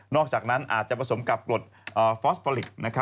อกจากนั้นอาจจะผสมกับกรดฟอสฟอลิก